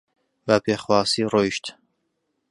بە پێخواسی ڕۆیشت